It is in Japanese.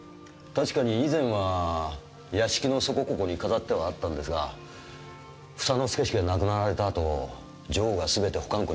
確かに以前は屋敷のそこここに飾ってはあったんですが房之助氏が亡くなられた後女王がすべて保管庫にしまわれて。